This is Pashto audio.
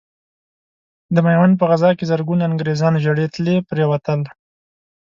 د ميوند په غزا کې زرګونه انګرېزان ژړې تلې پرې وتل.